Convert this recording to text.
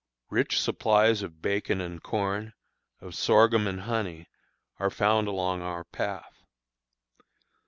Rich supplies of bacon and corn, of sorghum and honey, are found along our path.